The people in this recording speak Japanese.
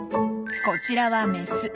こちらはメス。